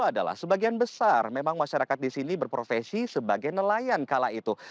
yang kedua adalah sebagian besar memang masyarakat tersebut berprofesi sebagai nelayan kala itu